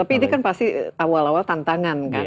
tapi ini kan pasti awal awal tantangan kan